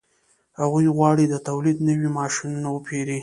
هغه غواړي د تولید نوي ماشینونه وپېري